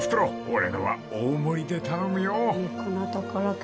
俺のは大盛りで頼むよ！］